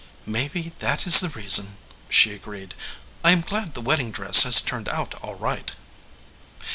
"Maybe that is the reason," she agreed. "I am glad the wedding dress has turned out all right."